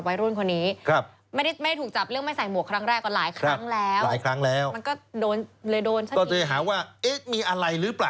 ใช่แต่คือจะบอกว่าประเด็นคือ